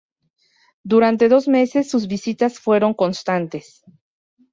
Durante dos meses sus visitas fueron constantes.